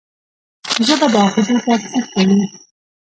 ژبه د عقیدې تفسیر کوي